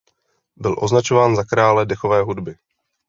Byl označován za krále dechové hudby.